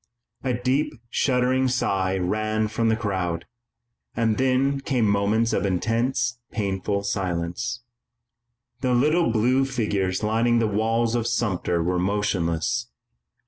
A deep shuddering sigh ran through the crowd, and then came moments of intense, painful silence. The little blue figures lining the walls of Sumter were motionless.